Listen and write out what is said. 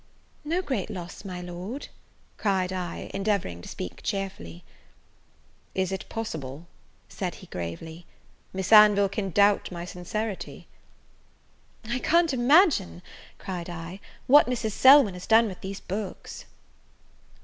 "No great loss, my Lord," cried I, endeavouring to speak cheerfully. "Is it possible," said he gravely, "Miss Anville can doubt my sincerity?" "I can't imagine," cried I, "what Mrs. Selwyn has done with these books."